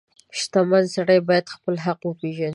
• شتمن سړی باید خپل حق وپیژني.